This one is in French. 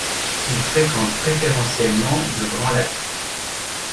Il fréquente préférentiellement de grands lacs.